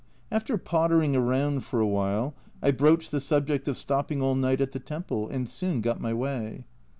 After pottering around for a while, I broached the subject of stopping all night at the temple, and soon got my way.